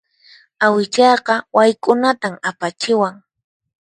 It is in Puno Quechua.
Awichayqa wayk'unatan apachiwan.